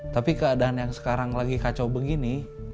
tapi keadaan yang sekarang lagi kacau begini